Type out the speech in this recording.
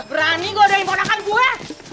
berani godain ponakan gue